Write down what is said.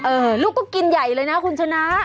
ลูกก็กินใหญ่เลยนะคุณชนะ